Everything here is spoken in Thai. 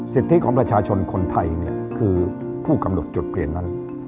ที่ของประชาชนคนไทยคือผู้กำหนดจุดเปลี่ยนนั้น